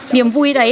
điểm vui đấy